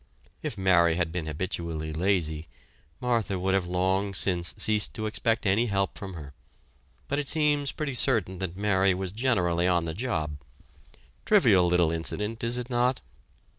If Mary had been habitually lazy, Martha would have long since ceased to expect any help from her, but it seems pretty certain that Mary was generally on the job. Trivial little incident, is it not?